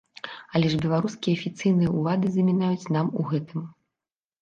Але ж беларускія афіцыйныя ўлады замінаюць нам у гэтым.